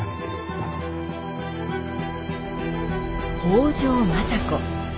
北条政子。